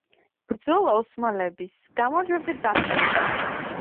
ბრძოლა ოსმალების გამარჯვებით დასრულდა.